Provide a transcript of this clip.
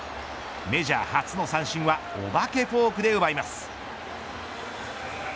メジャー初の三振はお化けフォークで奪います